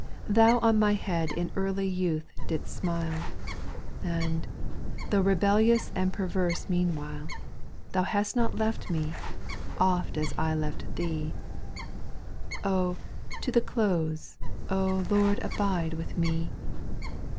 4. Thou on my head in early youth did'st smile. And, though rebellious and perverse mean while, Thou hast not left me, oft as I left Thee ;— Oh ! to the close, oh ! Lord, abide with me.